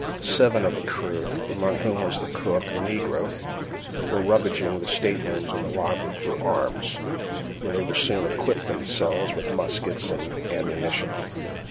Seven of the crew (among whom was the cook, a negro) were rummaging the staterooms on the larboard for arms, where they soon equipped themselves with muskets and ammunition.